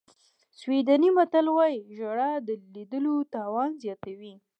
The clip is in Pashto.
سویډني متل وایي ژړا د لیدلو توان زیاتوي.